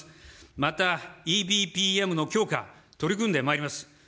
また、ＥＢＰＭの強化、取り組んでまいります。